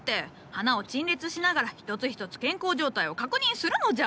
花を陳列しながら一つ一つ健康状態を確認するのじゃ！